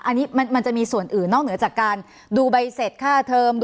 อันนี้มันจะมีส่วนอื่นนอกเหนือจากการดูใบเสร็จค่าเทอม